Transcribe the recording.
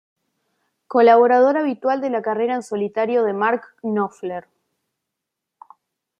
Colaborador habitual de la carrera en solitario de Mark Knopfler.